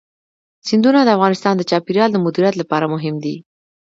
سیندونه د افغانستان د چاپیریال د مدیریت لپاره مهم دي.